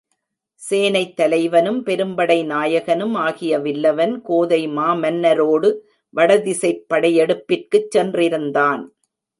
சேனைத்தலைவனும் பெரும்படைநாயகனும் ஆகிய வில்லவன் கோதை மாமன்னரோடு வடதிசைப் படையெடுப்பிற்குச் சென்றிருந்தான்.